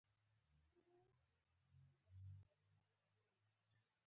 چي په منځ کي د همزولو وه ولاړه